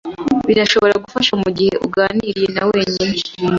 Birashobora gufasha mugihe uganiriye na wenyine.